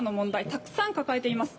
たくさん抱えています。